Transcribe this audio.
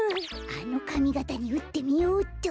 あのかみがたにうってみようっと。